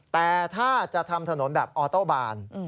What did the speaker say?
แต่ถ้าจะทำถนนแบบออโต้บาน